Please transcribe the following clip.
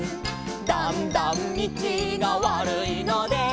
「だんだんみちがわるいので」